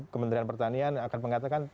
kementerian pertanian akan mengatakan